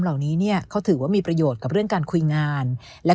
เหล่านี้เนี่ยเขาถือว่ามีประโยชน์กับเรื่องการคุยงานและ